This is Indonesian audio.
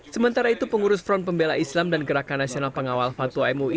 sementara itu pengurus front pembela islam dan gerakan nasional pengawal fatwa mui